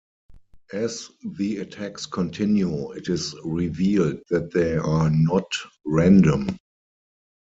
As the attacks continue, it is revealed that they are not random.